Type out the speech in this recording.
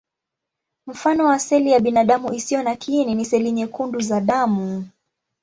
Mfano wa seli ya binadamu isiyo na kiini ni seli nyekundu za damu.